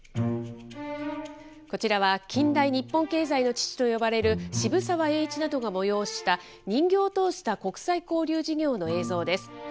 こちらは近代日本経済の父と呼ばれる渋沢栄一などが催した、人形を通した国際交流事業の映像です。